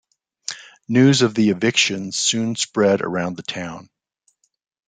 News of the evictions soon spread around the town.